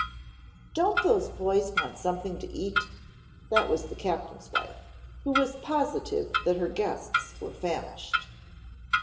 "Don't those boys want something to eat?" That was the Captain's wife, who was positive that her guests were famished.